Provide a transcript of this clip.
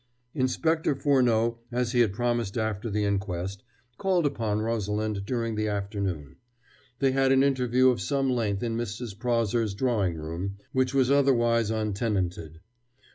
Inspector Furneaux, as he had promised after the inquest, called upon Rosalind during the afternoon. They had an interview of some length in Mrs. Prawser's drawing room, which was otherwise untenanted.